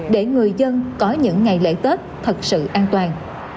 để người dân có những ngày lễ tết thật sự an toàn